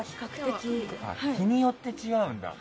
日によって違うんだ。